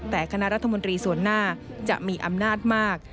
แต่คณะรัฐมนตรีส่วนหน้าจะมีอำนาจมาก